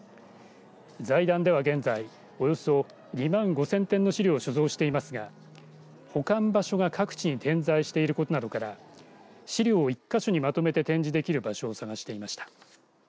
財団では現在およそ２万５０００点の資料を所蔵していますが保管場所が各地に点在していることなどから資料を１か所にまとめて展示できる場所を探していました。